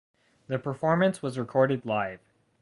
The performance was recorded live.